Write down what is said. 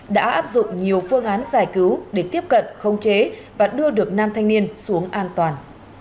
đã áp dụng nhiều phương án giải cứu để tiếp cận khống chế và đưa được nam thanh niên xuống an toàn